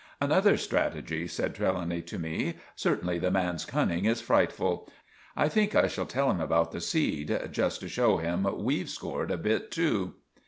"Another strategy," said Trelawny to me. "Certainly the man's cunning is frightful. I think I shall tell him about the seed—just to show him we've scored a bit too."